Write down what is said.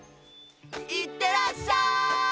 いってらっしゃい！